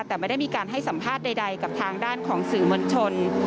แต่ไม่ได้มีการให้สัมภาษณ์ใดกับทางด้านของสื่อมวลชน